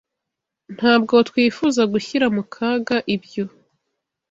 Ntabwo twifuza gushyira mu kaga ibyo.